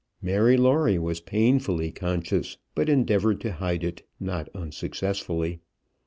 Mary Lawrie was painfully conscious; but endeavoured to hide it, not unsuccessfully.